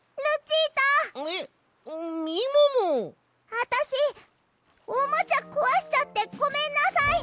あたしおもちゃこわしちゃってごめんなさい！